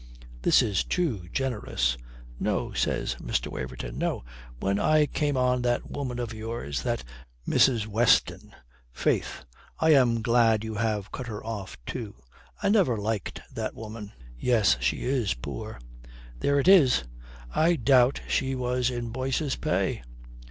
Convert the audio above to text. "This is too generous." "No," says Mr. Waverton. "No. When I came on that woman of yours, that Mrs. Weston faith, I am glad that you have cut her off too. I never liked that woman." "Yes, she is poor." "There it is! I doubt she was in Boyce's pay."